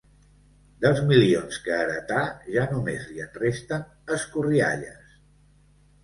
Dels milions que heretà ja només li'n resten escorrialles.